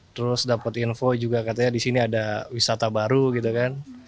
terus dapat info juga katanya di sini ada wisata baru gitu kan